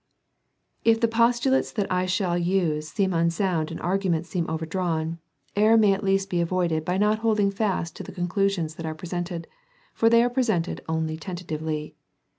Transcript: If the postulates that I shall use seem unsound and the argu ments seem overdrawn, error may at least be avoided by not holding fast to the conclusions that are presented, for they are presented only tentatively.